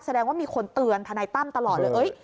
แสดงว่ามีคนเตือนทนายตั้มตลอดเลย